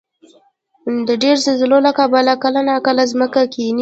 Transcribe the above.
د ډېرو زلزلو له کبله کله ناکله ځمکه کښېني.